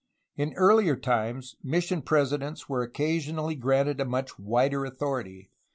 In earlier times mission presidents were occa sionally granted a much wider authority.